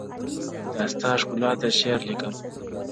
• دا ستا ښكلا ته شعر ليكم،